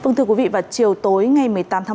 vâng thưa quý vị vào chiều tối ngày một mươi tám